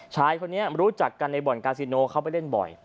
ชายคนนี้รู้จักกันในบ่อนกาซิโนเขาไปเล่นบ่อย